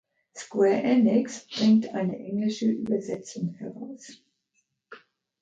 Square Enix bringt eine englische Übersetzung heraus.